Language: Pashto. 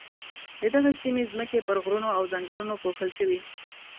د دغې سیمې ځمکې پر غرونو او ځنګلونو پوښل شوې.